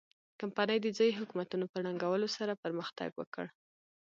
کمپنۍ د ځايي حکومتونو په ړنګولو سره پرمختګ وکړ.